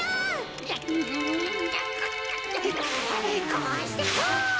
こうしてこう！